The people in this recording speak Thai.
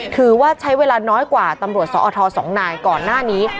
ถือว่าใช้เวลาน้อยกว่าตำรวจสอท๒นายก่อนหน้านี้